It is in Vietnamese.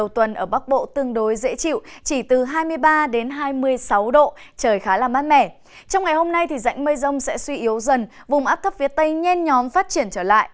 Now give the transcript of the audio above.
trong ngày hôm nay dãnh mây rông sẽ suy yếu dần vùng áp thấp phía tây nhen nhóm phát triển trở lại